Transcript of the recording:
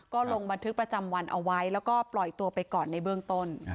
ก็ลงบันทึกประจำวันเอาไว้แล้วก็ปล่อยตัวไปก่อนในเบื้องต้น